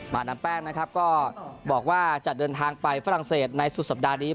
ดามแป้งนะครับก็บอกว่าจะเดินทางไปฝรั่งเศสในสุดสัปดาห์นี้